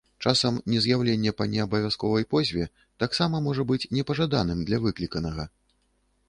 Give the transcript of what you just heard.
Часам нез'яўленне па неабавязковай позве таксама можа быць непажаданым для выкліканага.